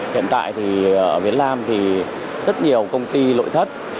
hiện tại thì ở việt nam thì rất nhiều công ty nội thất